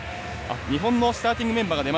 日本のスターティングメンバー。